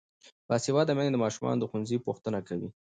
باسواده میندې د ماشومانو د ښوونځي پوښتنه کوي.